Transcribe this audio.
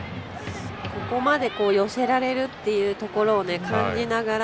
ここまで寄せられるっていうところを感じながら